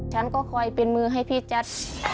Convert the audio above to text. ฉันก็คอยเป็นมือให้พี่จัด